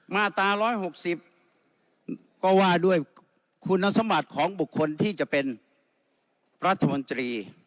มาตร๑๖๐ก็ว่าด้วยคุณสมตย์ของบุคคลที่จะเป็นประธมครี